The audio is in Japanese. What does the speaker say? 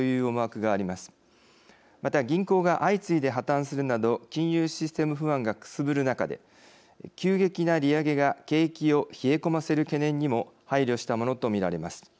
また銀行が相次いで破綻するなど金融システム不安がくすぶる中で急激な利上げが景気を冷え込ませる懸念にも配慮したものと見られます。